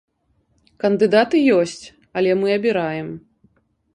Кандыдаты ёсць, але мы абіраем.